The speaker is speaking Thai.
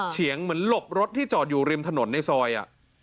เฉียงเหมือนหลบรถที่จอดอยู่ริมถนนในซอย